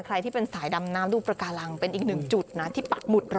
ใครที่เป็นสายดำน้ำลูกประการังเป็นอีกหนึ่งจุดนะที่ปักหุดรอ